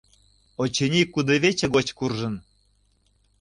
«Очыни, кудывече гоч куржын.